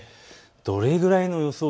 どれぐらいの予想